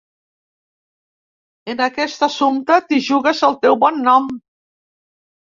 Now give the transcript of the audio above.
En aquest assumpte, t'hi jugues el teu bon nom.